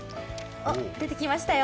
出てきましたよ。